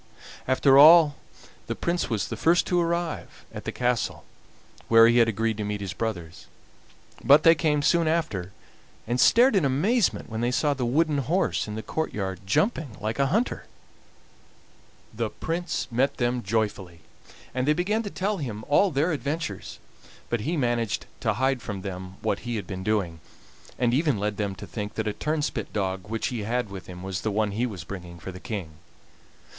After all the Prince was the first to arrive at the castle where he had agreed to meet his brothers, but they came soon after, and stared in amazement when they saw the wooden horse in the courtyard jumping like a hunter. The Prince met them joyfully, and they began to tell him all their adventures; but he managed to hide from them what he had been doing, and even led them to think that a turnspit dog which he had with him was the one he was bringing for the King.